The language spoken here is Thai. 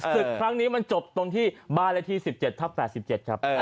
ศึกครั้งนี้มันจบตรงที่บ้านเลขที่๑๗ทับ๘๗ครับ